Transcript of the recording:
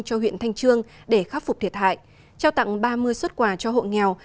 cho huyện thanh trương để khắc phục thiệt hại trao tặng ba mươi xuất quà cho hộ nghèo